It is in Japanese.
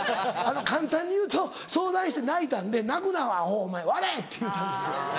簡単に言うと相談して泣いたんで「泣くなアホお前笑え」って言うたんです。